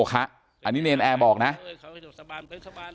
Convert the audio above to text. การแก้เคล็ดบางอย่างแค่นั้นเอง